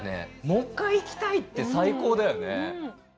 もう１回行きたいって最高だよね。